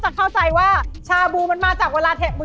มันก็จะดังชาบูชาบู